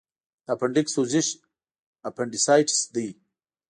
د اپنډکس سوزش اپنډیسایټس دی.